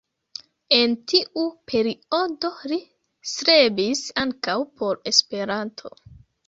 En tiu periodo li strebis ankaŭ por Esperanto.